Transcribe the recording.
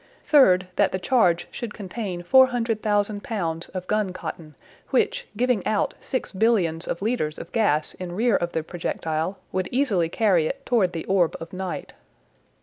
Third, that the charge should contain 400,000 pounds of gun cotton, which, giving out six billions of litres of gas in rear of the projectile, would easily carry it toward the orb of night.